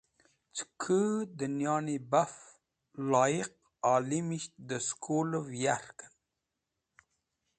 Cẽ kũ diyorni baf loyiq olimisht dẽ skulẽv yarkẽn.